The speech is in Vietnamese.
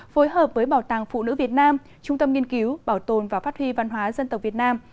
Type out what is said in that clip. phối hợp với bảo tàng phụ nữ việt nam trung tâm nghiên cứu bảo tồn và phát huy văn hóa dân tộc việt nam